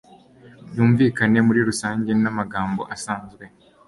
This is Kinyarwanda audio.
Byumvikane muri rusange namagambo asanzwe